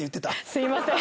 すみません。